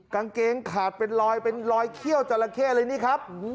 กางเกงขาดเป็นลอยเขี้ยวจราเข้อะไรนี่ครับ